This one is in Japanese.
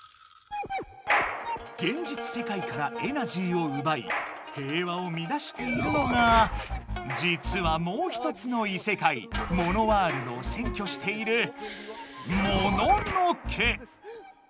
現実世界からエナジーをうばい平和をみだしているのがじつはもう一つの異世界モノワールドをせんきょしている「モノノ家」。